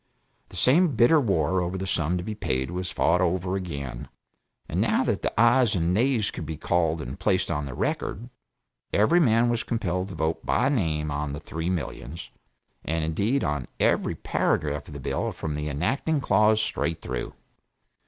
The same bitter war over the sum to be paid was fought over again, and now that the ayes and nays could be called and placed on record, every man was compelled to vote by name on the three millions, and indeed on every paragraph of the bill from the enacting clause straight through.